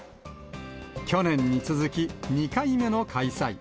去年に続き２回目の開催。